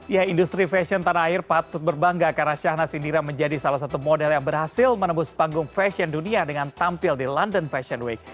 ya industri fashion tanah air patut berbangga karena syahnas indira menjadi salah satu model yang berhasil menembus panggung fashion dunia dengan tampil di london fashion week